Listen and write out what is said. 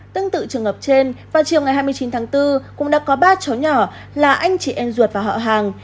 tương tự trường hợp trên vào chiều ngày hai mươi chín tháng bốn cũng đã có ba cháu nhỏ là anh chị em ruột và họ hàng